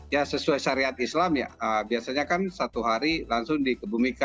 ya sesuai syariat islam ya biasanya kan satu hari langsung dikebumikan